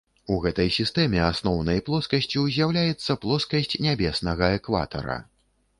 У гэтай сістэме асноўнай плоскасцю з'яўляецца плоскасць нябеснага экватара.